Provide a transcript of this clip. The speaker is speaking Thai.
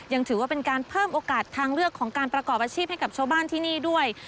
ยังถือว่าเป็นการเพิ่มโอกาสทางเลือกของการประกอบอาชีพให้กับชาวบ้านที่นี่ด้วย